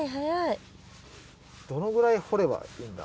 どのぐらい掘ればいいんだ？